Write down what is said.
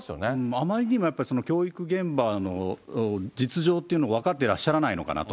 あまりにもやっぱり教育現場の実情っていうの、分かってらっしゃらないのかなと。